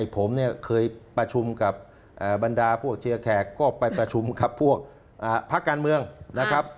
ผมเนี่ยเคยประชุมกับบรรดาพวกเชียร์แขกก็ไปประชุมกับพวกพักการเมืองนะครับ